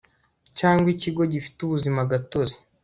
cyangwa ikigo gifite ubuzima gatozi